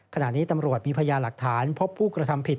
ขณะนี้ตำรวจมีพยาหลักฐานพบผู้กระทำผิด